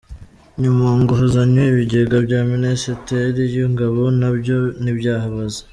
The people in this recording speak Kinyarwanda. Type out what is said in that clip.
Nyuma ngo hazanywe ibigega bya Minisiteri y’ingabo, na byo ntibyabahaza.